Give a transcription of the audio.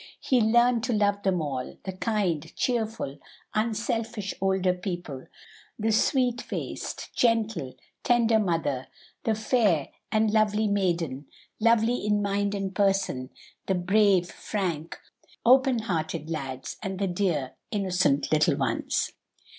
He learned to love them all the kind, cheerful, unselfish older people; the sweet faced, gentle, tender mother; the fair and lovely maiden, lovely in mind and person; the brave, frank, open hearted lads, and the dear, innocent little ones.